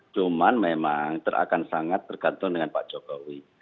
cuman memang akan sangat tergantung dengan pak jokowi